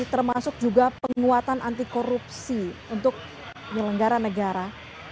termasuk juga penguatan anti korupsi untuk penyelenggara negara